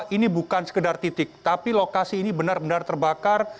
ini bukan sekedar titik tapi lokasi ini benar benar terbakar